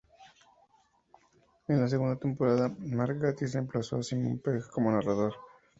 En la segunda temporada, Mark Gatiss reemplazó a Simon Pegg como narrador.